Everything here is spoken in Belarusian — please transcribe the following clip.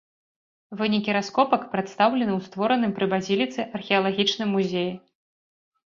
Вынікі раскопак прадстаўлены ў створаным пры базіліцы археалагічным музеі.